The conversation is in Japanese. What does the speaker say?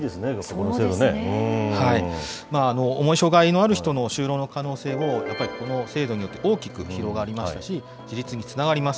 重い障害のある人の就労の可能性を、やっぱりこの制度によって大きく広がりますし、自律につながります。